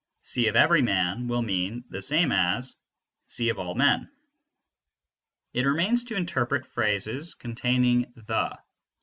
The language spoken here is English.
"C (every man)" will mean the same as "C (all men)." It remains to interpret phrases containing the.